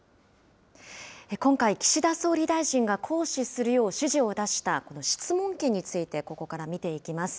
今回、岸田総理大臣が行使するよう指示を出した、この質問権について、ここから見ていきます。